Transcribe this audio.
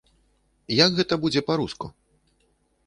Як гэта будзе па-руску?